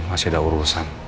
masih ada urusan